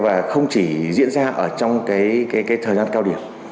và không chỉ diễn ra ở trong cái thời gian cao điểm